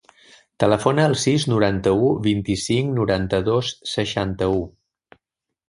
Telefona al sis, noranta-u, vint-i-cinc, noranta-dos, seixanta-u.